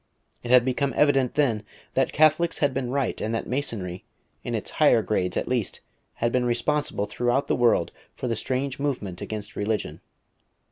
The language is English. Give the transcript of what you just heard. It had become evident then that Catholics had been right, and that Masonry, in its higher grades at least, had been responsible throughout the world for the strange movement against religion.